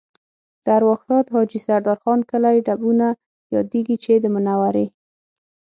د ارواښاد حاجي سردار خان کلی ډبونه یادېږي چې د منورې